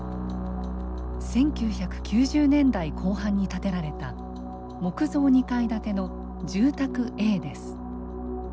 １９９０年代後半に建てられた木造２階建ての住宅Ａです。